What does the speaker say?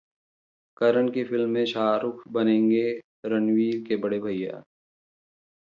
करण की फिल्म में शाहरुख बनेंगे रणबीर के बड़े भइया!